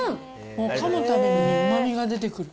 もうかむたびにうまみが出てくる。